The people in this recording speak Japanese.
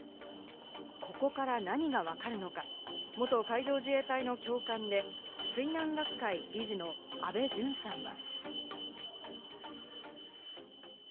ここから何が分かるのか、元海上自衛隊の教官で水難学会理事の安倍淳さんは。